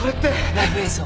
ライブ映像。